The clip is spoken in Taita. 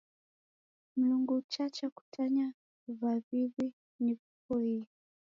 Mlungu uchacha kutanya w'aw'iw'I na w'ipoie.